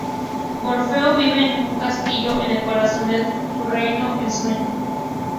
Morfeo vive en un castillo en el corazón de su reino, "el Sueño".